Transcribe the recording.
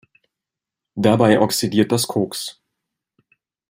Dabei oxidiert das Koks.